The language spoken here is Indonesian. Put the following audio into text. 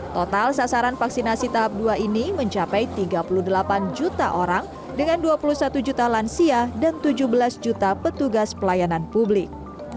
total sasaran vaksinasi tahap dua ini mencapai tiga puluh delapan juta orang dengan dua puluh satu juta lansia dan tujuh belas juta petugas pelayanan publik